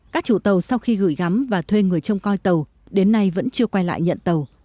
các chủ tàu sau khi gửi gắm và thuê người trông coi tàu đến nay vẫn chưa quay lại nhận tàu